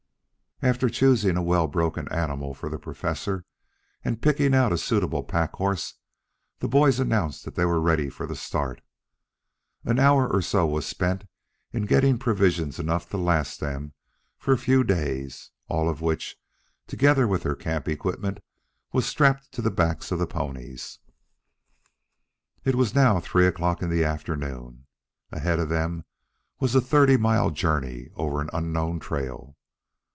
After choosing a well broken animal for the Professor, and picking out a suitable pack horse, the boys announced that they were ready for the start. An hour or so was spent in getting provisions enough to last them for a few days, all of which, together with their camp equipment, was strapped to the backs of the ponies. It was now three o'clock in the afternoon. Ahead of them was a thirty mile journey over an unknown trail.